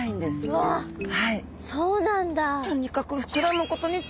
うわそうなんだ。